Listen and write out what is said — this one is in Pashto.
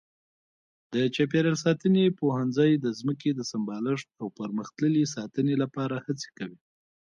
د چاپېریال ساتنې پوهنځی د ځمکې د سمبالښت او پرمختللې ساتنې لپاره هڅې کوي.